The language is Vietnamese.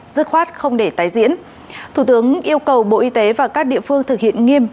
dứt khoát không để tái diễn thủ tướng yêu cầu bộ y tế và các địa phương thực hiện nghiêm